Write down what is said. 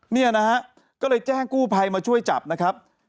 เนี่ยนะฮะก็เลยแจ้งกู้ภัยมาช่วยจับนะครับ